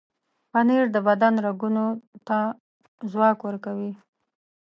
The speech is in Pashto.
پنېر د بدن رګونو ته ځواک ورکوي.